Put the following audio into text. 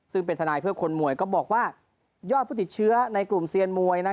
ซึ่งเป็นทนายเพื่อคนมวยก็บอกว่ายอดผู้ติดเชื้อในกลุ่มเซียนมวย